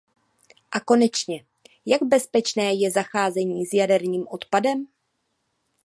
A konečně, jak bezpečné je zacházení s jaderným odpadem?